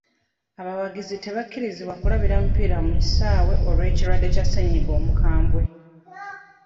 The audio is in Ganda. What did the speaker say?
Abawagizi tebakirizibwa kulabira mupiira mu kisaawe olw'ekirwadde Kya ssenyiga omukambwe.